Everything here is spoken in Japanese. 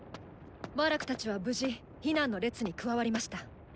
ウァラクたちは無事避難の列に加わりました。